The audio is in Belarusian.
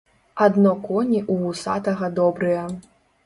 Адно коні ў вусатага добрыя.